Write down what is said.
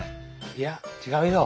いや違うよ。